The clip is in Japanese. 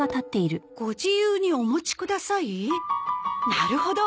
なるほど。